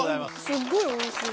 すっごいおいしい。